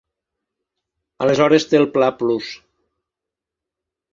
Aleshores té el pla Plus.